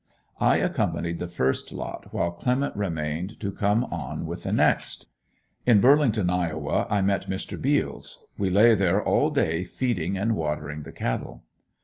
I accompanied the first lot, while Clement remained to come on with the next. In Burlington, Iowa, I met Mr. Beals. We lay there all day feeding and watering the cattle.